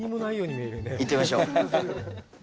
行ってみましょう。